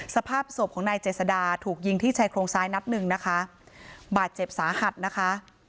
สภาพศพของนายเจษดาถูกยิงที่ชายโครงซ้ายนัดหนึ่งนะคะบาดเจ็บสาหัสนะคะ